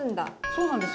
そうなんです。